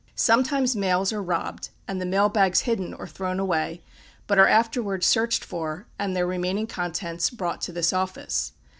Sometimes mails are robbed, and the mail bags hidden or thrown away, but are afterwards searched for, and their remaining contents brought to this office.